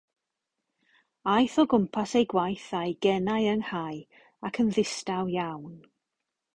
Aeth o gwmpas ei gwaith a'i genau ynghau ac yn ddistaw iawn.